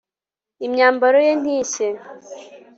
Imyambaro ye ntishye